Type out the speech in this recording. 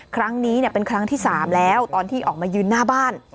ครั้งนี้เป็นครั้งที่๓แล้วตอนที่ออกมายืนหน้าบ้าน